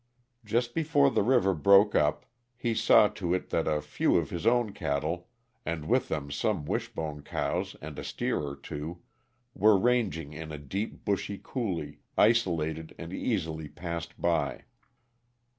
Just before the river broke up he saw to it that a few of his own cattle, and with them some Wishbone cows and a steer or two, were ranging in a deep, bushy coulee, isolated and easily passed by.